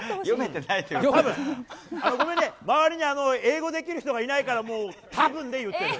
たぶん周りに英語できる人がいないから、もうたぶんで言ってる。